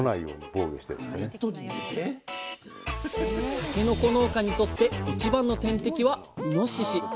たけのこ農家にとって一番の天敵はイノシシ。